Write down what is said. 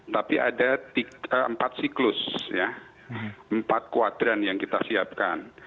tapi ada empat siklus empat kuadran yang kita siapkan